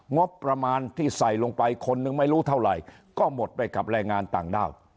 งบประมาณที่ใส่ลงไปคนนึงไม่รู้เท่าไหร่ก็หมดไปกับแรงงานต่างด้าว